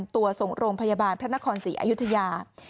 ตัวส่งโรงพยาบาลพระนครศรีอยุธยา